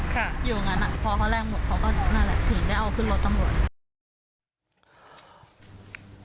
อยู่ตรงนั้นอ่ะพอเขาแรงหมดเขาก็นั่นแหละถึงได้เอาขึ้นรถตำรวจ